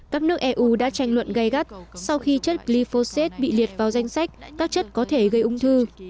các nước eu đã tranh luận gây gắt sau khi chất glyphosate bị liệt vào danh sách các chất có thể gây ung thư